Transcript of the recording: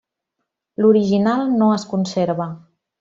L'original no es conserva.